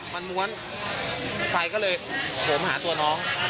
มันม้วนไฟก็เลยโหมหาตัวน้อง